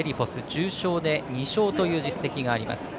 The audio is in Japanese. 重賞で２勝という実績があります。